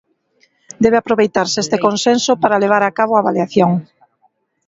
Debe aproveitarse este consenso para levar a cabo a avaliación.